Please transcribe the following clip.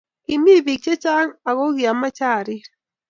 Kkimi biik chechang' aku kiameche arir